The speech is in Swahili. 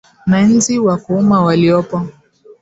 na nzi wa kuuma waliopo